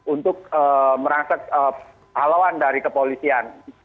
untuk merangsek halauan dari kepolisian